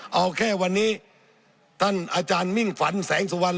เอาแค่วันนี้ท่านอาจารย์มิ่งฝันแสงสุวรรณ